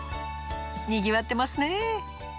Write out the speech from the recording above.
にぎわってますね。